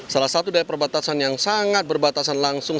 salah satu dari perbatasan yang sangat berbatasan langsung